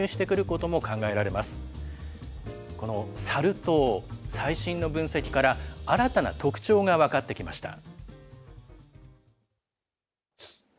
このサル痘、最新の分析から新たな特徴が分かってきました。